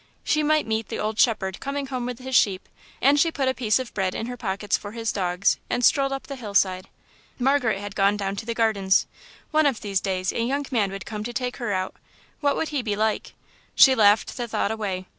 She might meet the old shepherd coming home with his sheep, and she put a piece of bread in her pocket for his dogs and strolled up the hill side. Margaret had gone down to the Gardens. One of these days a young man would come to take her out. What would he be like? She laughed the thought away.